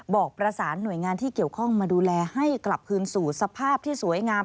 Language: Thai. บอกประสานหน่วยงานที่เกี่ยวข้องมาดูแลให้กลับคืนสู่สภาพที่สวยงาม